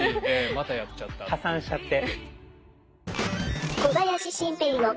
破産しちゃって。